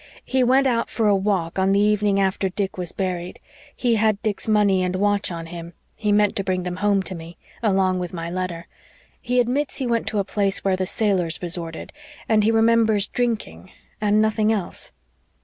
He went out for a walk on the evening after Dick was buried. He had Dick's money and watch on him; he meant to bring them home to me, along with my letter. He admits he went to a place where the sailors resorted and he remembers drinking and nothing else.